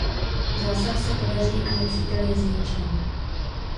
Zásah se podaří a nepřítel je zničen.